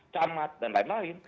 camat dan lain lain